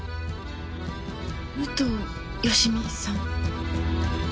「武藤良美」さん。